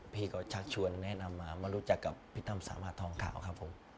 พี่ก็ชักชวนแนะนำมามารู้จักกับพี่ตั้มสามารถทองขาวครับผม